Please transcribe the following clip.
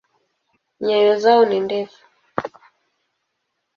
Nyayo zao ni ndefu.